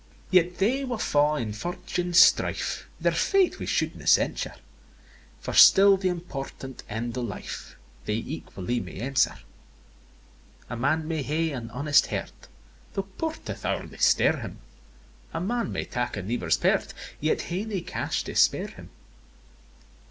IV. Yet they wha fa' in Fortune's strife, Their fate we should na censure, For still th' important end of life They equally may answer; A man may hae an honest heart, Tho' poortith hourly stare him; A man may tak a neebor's part, Yet hae nae cash to spare him.